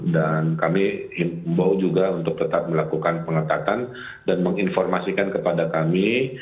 dan kami bau juga untuk tetap melakukan pengetatan dan menginformasikan kepada kami